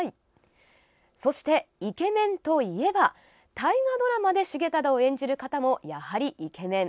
そしてイケメンといえば大河ドラマで重忠を演じる方もやはりイケメン。